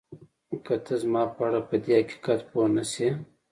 که ته زما په اړه پدې حقیقت پوه نه شې